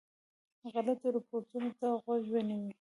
غلطو رپوټونو ته غوږ ونیوی.